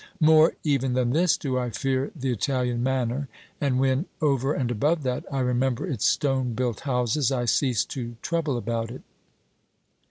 More even than this do I fear the Italian manner, and when, over and above that, I remember its stone built houses I cease to trouble about it.